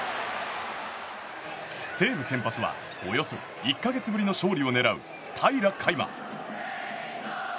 西武先発はおよそ１か月ぶりの勝利を狙う平良海馬。